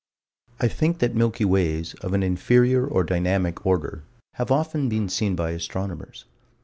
I think that Milky Ways, of an inferior, or dynamic, order, have often been seen by astronomers.